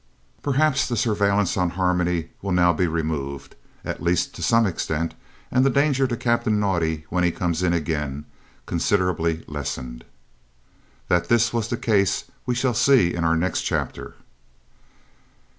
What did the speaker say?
Perhaps the surveillance on Harmony will now be removed, at least to some extent, and the danger to Captain Naudé, when he comes in again, considerably lessened." That this was the case we shall see in our next chapter.